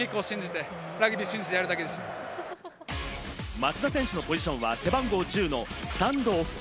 松田選手のポジションは背番号１０のスタンドオフ。